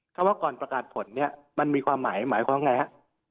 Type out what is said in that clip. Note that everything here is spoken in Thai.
คำว่าก่อนประกาศผลเนี่ยมันมีความหมายหมายความว่าไงฮะ